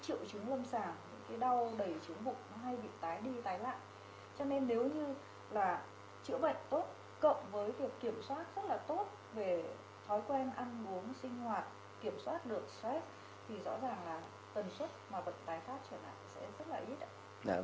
thì rõ ràng là tần suất mà vật tái phát trở lại sẽ rất là ít